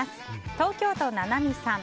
東京都の方。